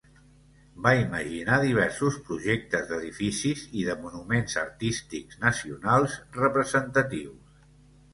Va imaginar diversos projectes d'edificis i de monuments artístics nacionals representatius.